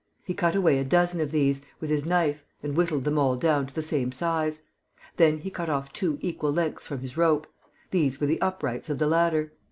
He cut away a dozen of these, with his knife, and whittled them all down to the same size. Then he cut off two equal lengths from his rope. These were the uprights of the ladder.